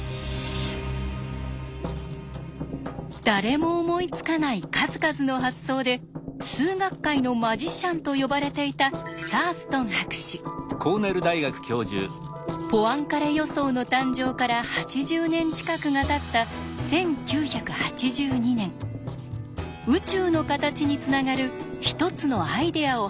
誰も思いつかない数々の発想で「数学界のマジシャン」と呼ばれていたポアンカレ予想の誕生から８０年近くがたった１９８２年宇宙の形につながる一つのアイデアを発表します。